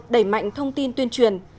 đẩy mạnh thông tin tuyên truyền